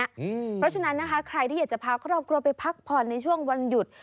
เพราะฉะนั้นนะคะใครที่อยากจะพาครอบครัวไปพักผ่อนในช่วงวันหยุด